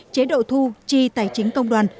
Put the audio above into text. chế độ thu chi tài chính công đoàn